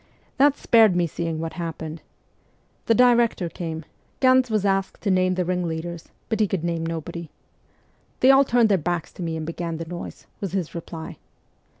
That spared me seeing what followed. The director came ; Ganz was asked to name the ringleaders, but he could name nobody. ' They all turned their backs to me, and began the noise,' was his reply.